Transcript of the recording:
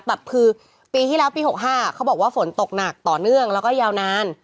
แบบคือปีที่แล้วปี๖๕เขาบอกว่าฝนตกหนักต่อเนื่องแล้วก็ยาวนาน